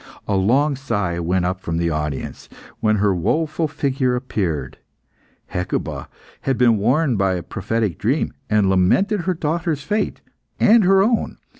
A long sigh went up from the audience, when her woeful figure appeared. Hecuba had been warned by a prophetic dream, and lamented her daughter's fate and her own.